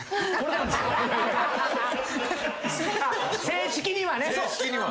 正式にはね。